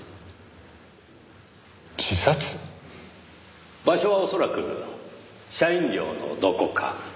自殺？場所は恐らく社員寮のどこか。